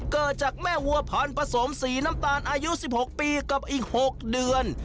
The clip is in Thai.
เกิดจากแม่วัวพันธสมสีน้ำตาลอายุ๑๖ปีกับอีก๖เดือน